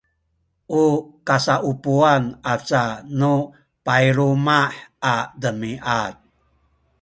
u kasaupuwan aca nu payluma’ a demiad